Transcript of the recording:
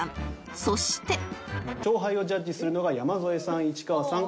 そして勝敗をジャッジするのが山添さん市川さん